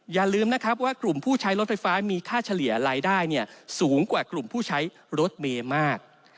อย่าลืมนะครับว่ากลุ่มผู้ใช้รถไฟฟ้ามีค่าเฉลี่ยรายได้สูงกว่ากลุ่มผู้ใช้รถเมย์มาก